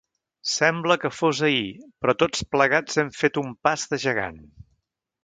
Sembla que fos ahir, però tots plegats hem fet un pas de gegant.